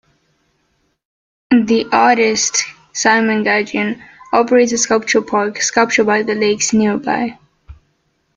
The artist Simon Gudgeon operates a sculpture park, "Sculpture by the Lakes", nearby.